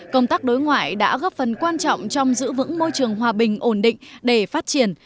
công tác đối ngoại đã góp phần quan trọng trong giữ vững môi trường hòa bình ổn định để phát triển